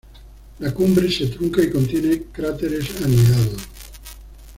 La cumbre se trunca y contiene cráteres anidados.